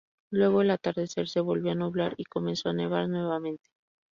Luego al atardecer se volvió a nublar y comenzó a nevar nuevamente.